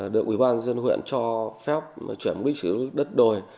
được quỹ ban dân huyện cho phép chuyển mục đích sử dụng đất đồi